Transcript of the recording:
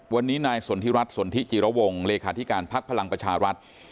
วันนี้นายสถิศรัทธิ์สนธิศจิระวงโรงค์เลขาธิการภักดิ์พลังประชารัฐ